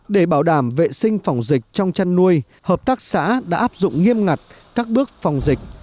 để bảo đảm vệ sinh phòng dịch trong chăn nuôi hợp tác xã đã áp dụng nghiêm ngặt các bước phòng dịch